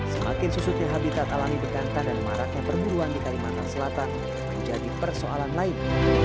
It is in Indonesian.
semakin susutnya habitat alami bekantan dan maraknya perburuan di kalimantan selatan menjadi persoalan lain